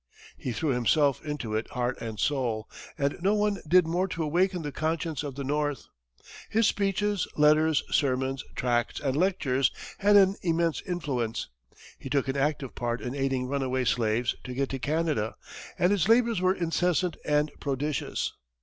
He threw himself into it heart and soul, and no one did more to awaken the conscience of the north. His speeches, letters, sermons, tracts and lectures had an immense influence; he took an active part in aiding runaway slaves to get to Canada, and his labors were incessant and prodigious.